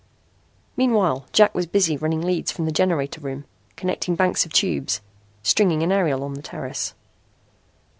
Meanwhile Jack was busy running leads from the generator room, connecting banks of tubes, stringing an aerial on the terrace.